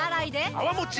泡もち